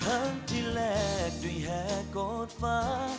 ทั้งที่แรกด้วยแห่โกรธฟ้า